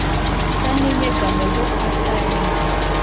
nsa n’inyegamo zo kwa Salima.